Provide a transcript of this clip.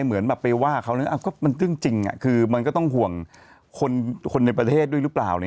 เหมือนแบบไปว่าเขามันเรื่องจริงคือมันก็ต้องห่วงคนในประเทศด้วยหรือเปล่า